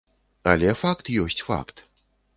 Але факт ёсць факт.